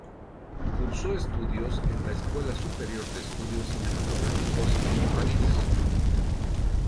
Cursó estudios en la Escuela Superior de Estudios Cinematográficos en París.